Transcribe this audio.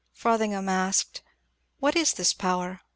*' Frothingham asked, ^^ What is this power?